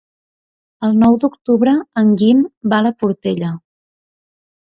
El nou d'octubre en Guim va a la Portella.